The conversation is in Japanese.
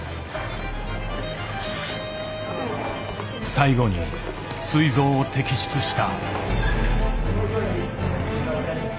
最後にすい臓を摘出した。